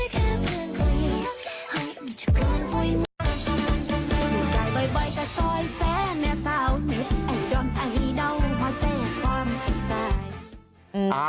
ค่ะ